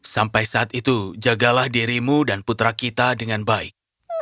sampai saat itu jagalah dirimu dan putra kita dengan baik